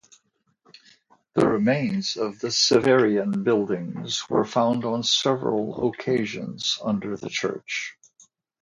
The remains of the Severian buildings were found on several occasions under the church.